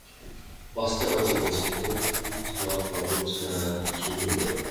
পাঁচটা বাজিয়া গেছে, এখনো হাতমুখ-ধোয়া কাপড়-ছাড়া হইল না?